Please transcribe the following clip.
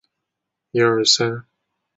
书中还指负面思想会显示负面的结果。